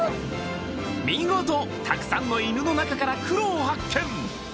見事たくさんの犬の中からクロを発見！